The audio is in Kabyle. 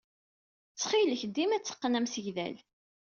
Ttxil-k, dima tteqqen amsegdal.